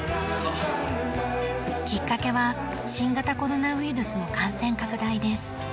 きっかけは新型コロナウイルスの感染拡大です。